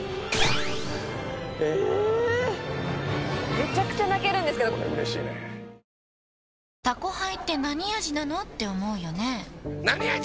めちゃくちゃ泣けるんですけどこれうれしいねぇ「タコハイ」ってなに味なのーって思うよねなに味？